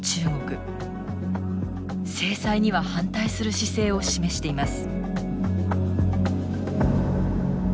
制裁には反対する姿勢を示しています。